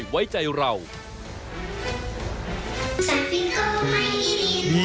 สวัสดีค่ะต้อนรับคุณบุษฎี